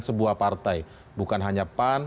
sebuah partai bukan hanya pan